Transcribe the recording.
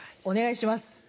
お願いします。